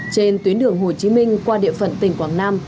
trên tuyến đường hồ chí minh qua địa phận tỉnh quảng nam